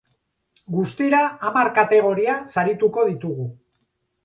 Guztira, hamar kategoria sarituko ditugu.